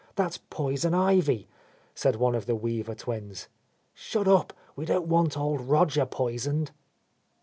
That's Poison Ivy," said one of the Weaver twins. "Shut up, we don't want old Roger poisoned."